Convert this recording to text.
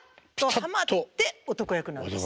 はまって男役なんです。